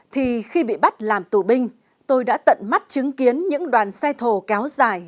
thì khi bị bắt làm tù binh tôi đã tận mắt chứng kiến những đoàn xe thồ kéo dài